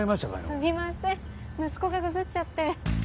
すみません息子がぐずっちゃって。